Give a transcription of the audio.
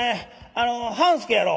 あの半助やろ？」。